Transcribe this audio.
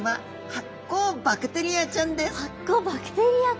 発光バクテリアか。